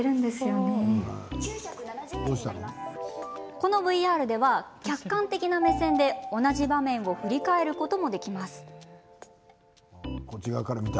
このＶＲでは、客観的な目線で同じ場面を振り返ることもできます。